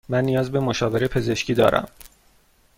من نیاز به مشاوره پزشکی دارم.